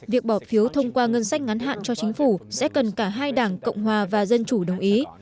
việc bỏ phiếu thông qua ngân sách ngắn hạn cho chính phủ sẽ cần cả hai đảng cộng hòa và dân chủ đồng ý